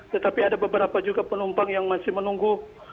tetapi ada beberapa juga penumpang yang masih menunggu